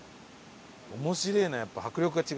面白えなやっぱ迫力が違うわ。